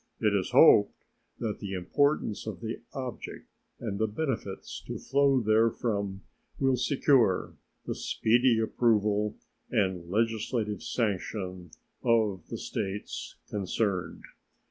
It is hoped that the importance of the object and the benefits to flow therefrom will secure the speedy approval and legislative sanction of the States concerned.